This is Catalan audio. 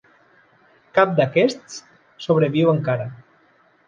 Cap d'aquests sobreviu encara.